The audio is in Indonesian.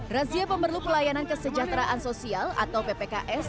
razia pemerlu pelayanan kesejahteraan sosial atau ppks